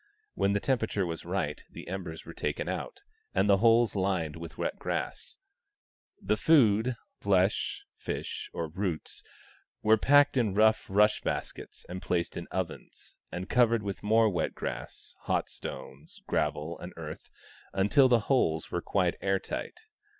When the temperature was right the embers were taken out, and the holes lined with wet grass. The food — flesh, fish, or roots — was packed in rough rush baskets and placed in the ovens, and covered with more wet grass, hot stones, gravel, and earth, until the holes were quite air tight.